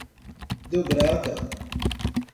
Dobrada